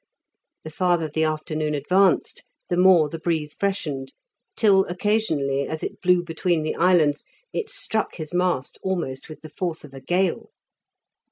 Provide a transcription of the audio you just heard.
The farther the afternoon advanced, the more the breeze freshened, till occasionally, as it blew between the islands, it struck his mast almost with the force of a gale.